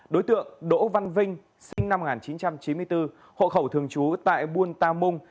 đối tượng đỗ văn vinh sinh năm một nghìn chín trăm chín mươi bốn hộ khẩu thường trú tại buôn ta mung